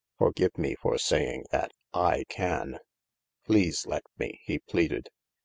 " Forgive me for saying that I can. Please let me," he pleaded.